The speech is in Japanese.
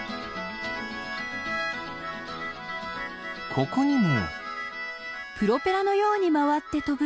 ここにも？